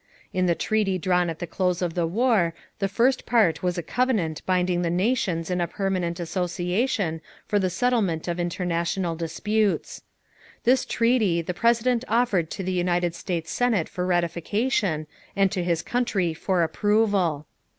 In the treaty drawn at the close of the war the first part was a covenant binding the nations in a permanent association for the settlement of international disputes. This treaty, the President offered to the United States Senate for ratification and to his country for approval.